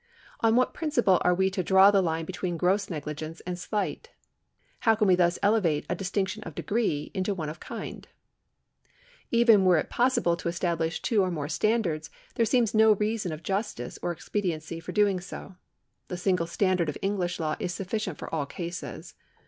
On what principle are we to di'aw the line between gross negligence and slight ? How can we thus elevate a distinc tion of degree into one of kind ? 'Even were it »possible to establish two or more standards, there seems no reason of justice or expediency for doing so. The single standard of English law is sufficient for all cases.